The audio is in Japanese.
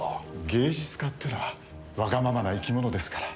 芸術家ってのはわがままな生き物ですから。